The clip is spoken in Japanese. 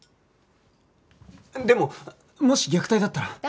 でももし虐待だったら。